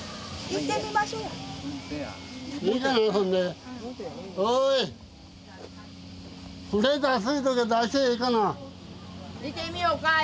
行ってみようかいうの。